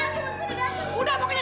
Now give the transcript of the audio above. kayaknya kurang ajar